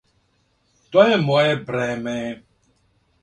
То је моје бреме.